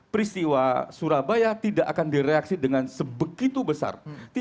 peristiwa surabaya tidak akan direaksi dengan sebegitu besar